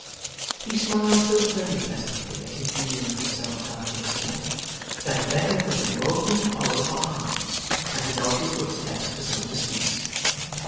He smiled so very pleasantly as he communed with himself after this manner, that a beggar was emboldened to follow for alms, and to dog his footsteps for some distance.